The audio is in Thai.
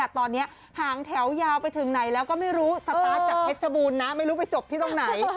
ตอนนี้หางแถวยาวไปถึงไหนแล้วก็ไม่รู้จากเท็จชะบูลนะไม่รู้ไปจบที่ตรงไหน